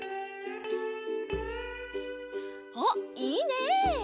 おっいいね！